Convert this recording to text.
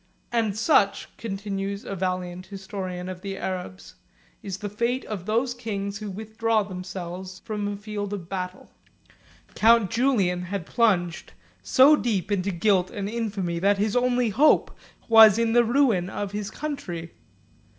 "And such," continues a valiant historian of the Arabs, "is the fate of those kings who withdraw themselves from a field of battle." 176 [A. D. 711.] Count Julian had plunged so deep into guilt and infamy, that his only hope was in the ruin of his country.